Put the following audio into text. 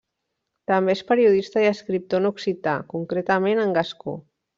També és periodista i escriptor en occità, concretament en gascó.